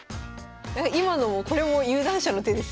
今のもこれも有段者の手ですよ。